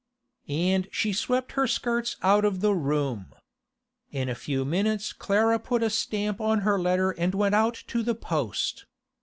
And she swept her skirts out of the room. In a few minutes Clara put a stamp on her letter and went out to the post.